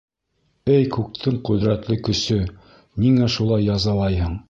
Эй күктең ҡөҙрәтле көсө, ниңә шулай язалайһың?